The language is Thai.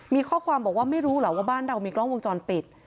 มีข้อความบอกว่าไม่รู้เหรอว่าบ้านเรามีกล้องวงจรปิด